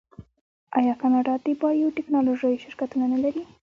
آیا کاناډا د بایو ټیکنالوژۍ شرکتونه نلري؟